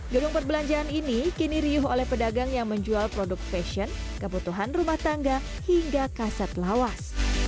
gedung perbelanjaan ini kini riuh oleh pedagang yang menjual produk fashion kebutuhan rumah tangga hingga kaset lawas